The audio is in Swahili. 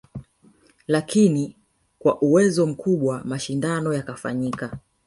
Lakini kwa uwezo mkubwa mashindano yakafanyika